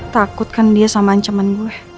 takut kan dia sama ancaman gue